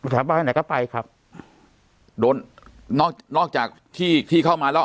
แถวบ้านไหนก็ไปครับโดนนอกนอกจากที่ที่เข้ามาแล้ว